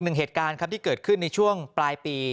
เหตุการณ์ครับที่เกิดขึ้นในช่วงปลายปี